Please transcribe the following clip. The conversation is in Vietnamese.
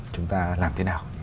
chúng ta làm thế nào